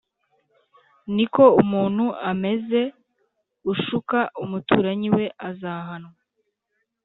Ni ko umuntu ameze ushuka umuturanyi we azahanwa